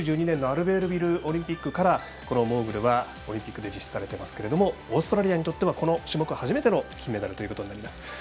９２年のアルベールビルオリンピックからこのモーグルはオリンピックで実施されていますけどもオーストラリアにとってはこの種目初めての金メダリストとなります。